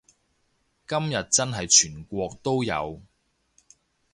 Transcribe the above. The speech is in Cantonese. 今日真係全國都有